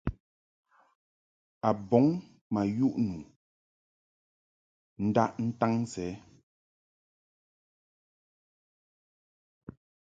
A bɔŋ ma yuʼ nu ndaʼ ntaŋ sɛ.